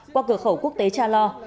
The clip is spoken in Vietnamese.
qua cửa khẩu quốc tế cha lo